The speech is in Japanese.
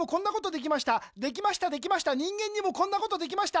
できましたできました人間にもこんなことできました。